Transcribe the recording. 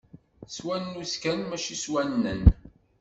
S wannuz kan mačči s wannen!